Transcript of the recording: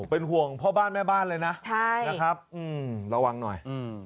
เป็นห่วงพ่อบ้านแม่บ้านเลยนะนะครับระวังหน่อย